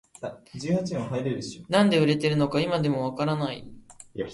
なんで売れてるのか今でもわからない